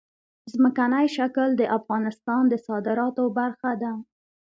ځمکنی شکل د افغانستان د صادراتو برخه ده.